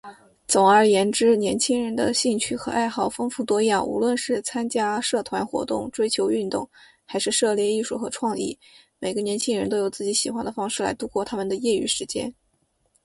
总而言之，年轻人的兴趣和爱好丰富多样。无论是参加社团活动、追求运动，还是涉猎艺术和创意，每个年轻人都有自己喜欢的方式来度过他们的业余时间。